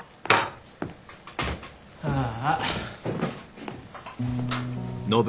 ああ。